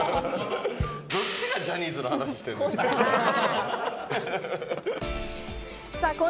どっちがジャニーズの話してんねん！